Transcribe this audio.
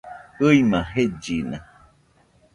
ɨɨma jellina